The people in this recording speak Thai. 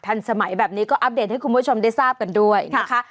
ทันสมัยแบบนี้ก็อัปเดตให้คุณผู้ชมได้ทราบกันด้วยนะคะ